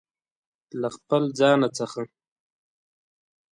له خپل ځانه څخه